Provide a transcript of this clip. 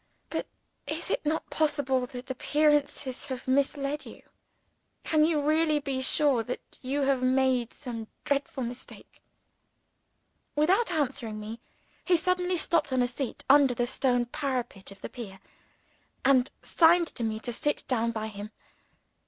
But is it not possible that appearances have misled you? Can you really be sure that you have not made some dreadful mistake?" Without answering me, he suddenly stopped at a seat under the stone parapet of the pier, and signed to me to sit down by him.